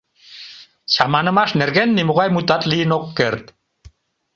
— Чаманымаш нерген нимогай мутат лийын ок керт.